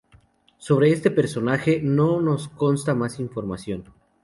Sobre este personaje no nos consta más información.